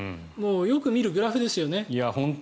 よく見るグラフですよね。